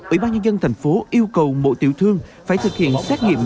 ủy ban nhân dân thành phố yêu cầu mỗi tiểu thương phải thực hiện xét nghiệm